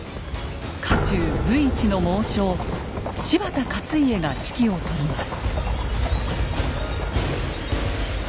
家中随一の猛将柴田勝家が指揮を執ります。